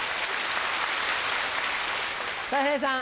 たい平さん。